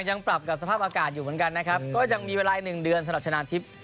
ยังปรับกับสภาพอากาศอยู่เหมือนกันนะครับก็ยังมีเวลาอีกหนึ่งเดือนสำหรับชนะทิพย์